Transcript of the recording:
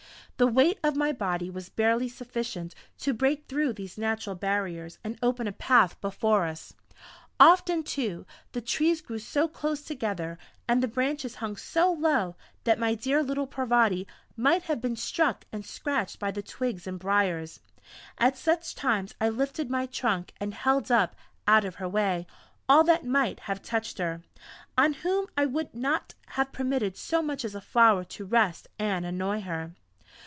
The weight of my body was barely sufficient to break through these natural barriers and open a path before us. Often too, the trees grew so close together, and the branches hung so low that my dear little Parvati might have been struck and scratched by the twigs and briars; at such times I lifted my trunk and held up, out of her way, all that might have touched her on whom I would not have permitted so much as a flower to rest and annoy her!